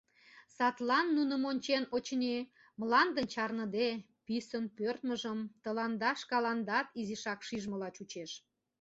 Садлан нуным ончен, очыни, мландын чарныде, писын пӧрдмыжым тыланда шкаландат изишак шижмыла чучеш...